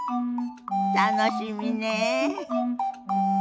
楽しみねえ。